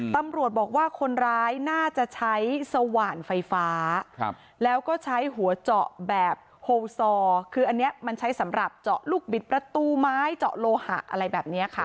ตำรวจบอกว่าคนร้ายน่าจะใช้สว่านไฟฟ้าแล้วก็ใช้หัวเจาะแบบโฮซอคืออันนี้มันใช้สำหรับเจาะลูกบิดประตูไม้เจาะโลหะอะไรแบบนี้ค่ะ